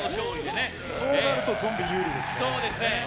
そうなるとゾンビ有利ですね。